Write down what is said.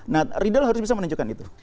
nah riedel harus bisa menunjukkan itu